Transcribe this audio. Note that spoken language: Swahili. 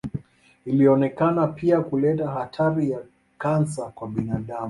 Ilionekana pia kuleta hatari ya kansa kwa binadamu.